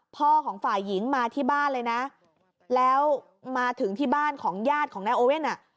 พ่อของฝ่ายหญิงมาที่บ้านเลยนะแล้วมาถึงที่บ้านของญาติของนายโอเว่นอ่ะ